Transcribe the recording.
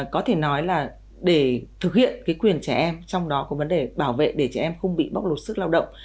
có thể nói là để thực hiện quyền trẻ em trong đó có vấn đề bảo vệ để trẻ em không bị bóc lột sức lao động